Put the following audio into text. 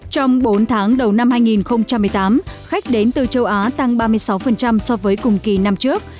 trong bốn tháng đầu năm hai nghìn một mươi tám khách đến từ châu á tăng ba mươi sáu so với cùng kỳ năm trước